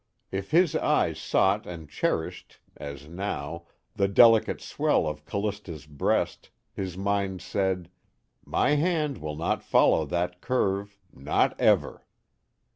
If his eyes sought and cherished (as now) the delicate swell of Callista's breast, his mind said: _My hand will not follow that curve, not ever.